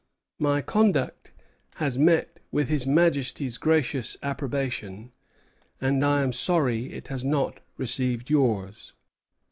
My conduct has met with His Majesty's gracious approbation; and I am sorry it has not received yours."